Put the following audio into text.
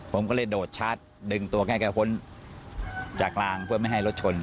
ผมก็เลยโดดชาร์จดึงตัวแกพ้นจากรางเพื่อไม่ให้รถชน